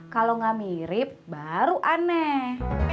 kalau nggak mirip baru aneh